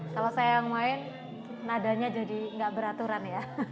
kalau saya yang main nadanya jadi nggak beraturan ya